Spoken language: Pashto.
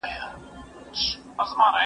زه اجازه لرم چي منډه ووهم!!